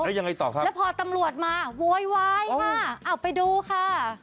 แล้วพอตำรวจมาโวยวายมาเอาไปดูค่ะ